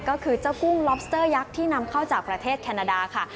ก็คือเจ้ากุ้งล็อบสเตอร์ยักษ์ที่นำเข้าจากประเทศแคนาดาค่ะ